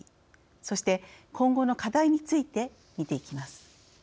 そして、今後の課題について見ていきます。